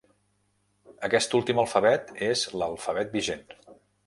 Aquest últim alfabet és l'alfabet vigent.